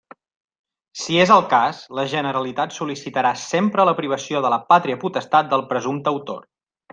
Si és el cas, la Generalitat sol·licitarà sempre la privació de la pàtria potestat del presumpte autor.